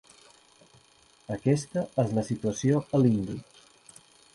Aquesta és la situació a l'hindi.